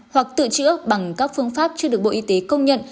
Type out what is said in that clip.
hoặc tự chữa bằng các phương pháp chưa được bộ y tế công nhận